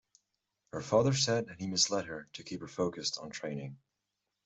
Her father said he misled her to keep her focused on training.